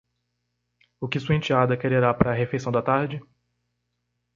O que sua enteada quererá para a refeição da tarde?